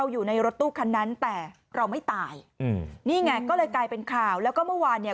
อยู่ในรถตู้คันนั้นแต่เราไม่ตายอืมนี่ไงก็เลยกลายเป็นข่าวแล้วก็เมื่อวานเนี่ย